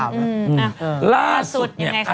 ล่าสุดเนี่ยอเรนนี่มาสุดยังไงค่ะตอนนี้